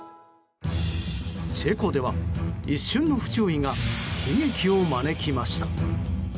チェコでは一瞬の不注意が悲劇を招きました。